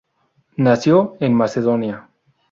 Nació en Macedonia.